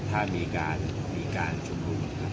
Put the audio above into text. ถ้ามีการชุมนุม